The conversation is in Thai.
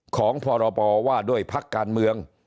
ของพปว่าด้วยภักดิ์การเมือง